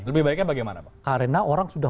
lebih baiknya bagaimana pak karena orang sudah